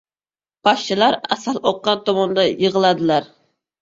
• Pashshalar asal oqqan tomonda yig‘iladilar.